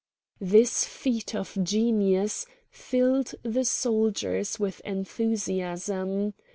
This feat of genius filled the soldiers with enthusiasm.